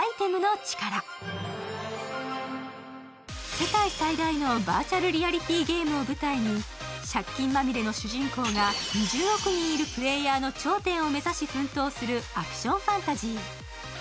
世界最大のバーチャルリアリティゲームを舞台に、借金まみれの主人公が２０億人いるプレーヤーの頂点を目指し奮闘するアクションファンタジー。